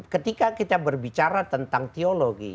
ketika kita berbicara tentang teologi